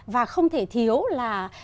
và không thể thiếu là